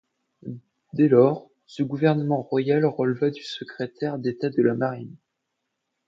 Dès lors, ce gouvernement royal releva du secrétaire d'État de la Marine.